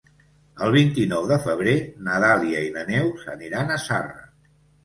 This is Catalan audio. El vint-i-nou de febrer na Dàlia i na Neus aniran a Zarra.